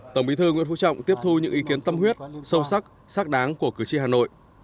tổng bí thư nguyễn phú trọng tiếp thu những ý kiến tâm huyết sâu sắc sắc đáng của cử tri hà nội